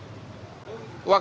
terima kasih pak